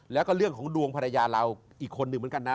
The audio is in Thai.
แล้วก็เรื่องของดวงภรรยาเราอีกคนหนึ่งเหมือนกันนะ